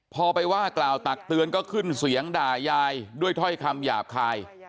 พอไปว่ากล่าวตักเตือนก็ขึ้นเสียงด่ายายด้วยถ้อยคำหยาบคาย